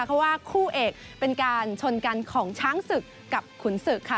เพราะว่าคู่เอกเป็นการชนกันของช้างศึกกับขุนศึกค่ะ